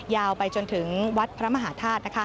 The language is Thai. ยาวไปจนถึงวัดพระมหาธาตุ